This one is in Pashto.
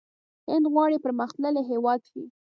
هند غواړي پرمختللی هیواد شي.